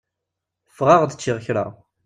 Ffɣeɣ-d ččiɣ kra.